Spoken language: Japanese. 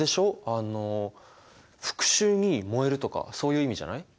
あの復讐に燃えるとかそういう意味じゃない？